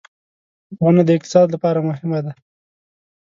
• ونه د اقتصاد لپاره مهمه ده.